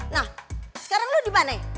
nah sekarang lo dimana